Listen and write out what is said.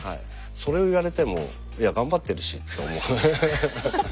それを言われてもいや頑張ってるしって思う。